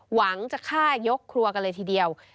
หวังจะฆ่ายกครัวกันเลยทีเดียว